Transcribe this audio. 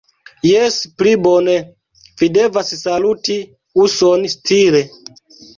Jes, pli bone. Vi devas saluti uson-stile.